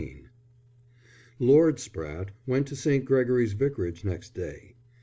XIV Lord Spratte went to St. Gregory's Vicarage next day.